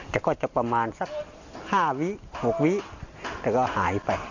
แต่ก็จะประมาณสัก๕วิ๖วิแต่ก็หายไป